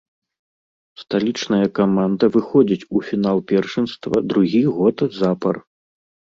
Сталічная каманда выходзіць у фінал першынства другі год запар.